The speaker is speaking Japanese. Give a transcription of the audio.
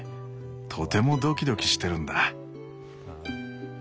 とてもドキドキしてるんだ。